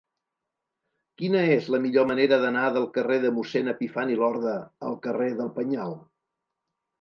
Quina és la millor manera d'anar del carrer de Mossèn Epifani Lorda al carrer del Penyal?